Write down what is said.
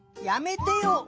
やめてよ！